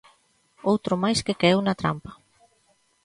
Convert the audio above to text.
Outro máis que caeu na trampa.